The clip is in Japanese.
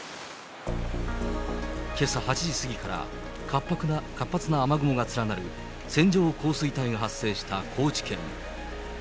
けさ８時過ぎから、活発な雨雲が連なる線状降水帯が発生した高知県。